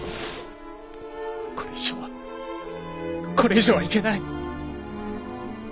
これ以上はこれ以上はいけない！